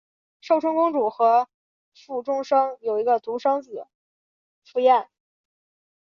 寿春公主和傅忠生有一个独生子傅彦。